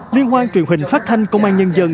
liên hoan truyền hình phát thanh công an nhân dân